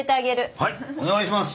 はいお願いします！